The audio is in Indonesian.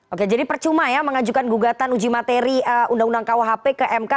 oke jadi percuma ya mengajukan gugatan uji materi undang undang kuhp ke mk